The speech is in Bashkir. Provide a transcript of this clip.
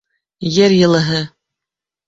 ЕР ЙЫЛЫҺЫ